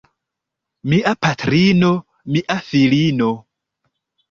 Mia patrino, mia filino.